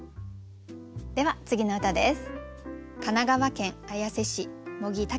では次の歌です。